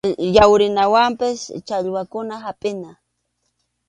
Yawrinawanpas challwakuna hapʼina.